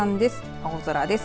青空です。